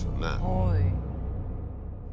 はい。